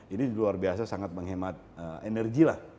ini luar biasa sangat menghemat energi lah